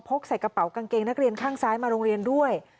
ใส่กระเป๋ากางเกงนักเรียนข้างซ้ายมาโรงเรียนด้วย